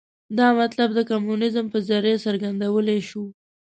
دا مطلب د کمونیزم په ذریعه څرګندولای شو.